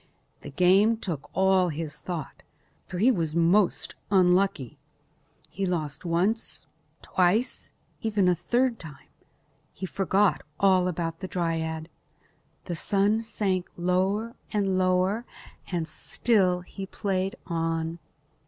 The game took all his thought, for he was most unlucky. He lost once, twice, and even a third time. He forgot all about the dryad. The sun sank lower and lower and still he played on.